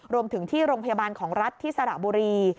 รวมถึงที่โรงพยาบาลของรัฐที่สระบุรี